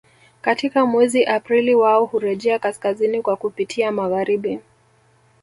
Katika mwezi Aprili wao hurejea kaskazini kwa kupitia magharibi